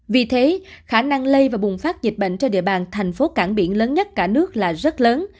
vì thế khả năng lây và bùng phát dịch bệnh trên địa bàn thành phố cảng biển lớn nhất cả nước là rất lớn